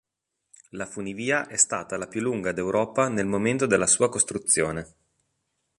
La funivia è stata la più lunga d'Europa nel momento della sua costruzione.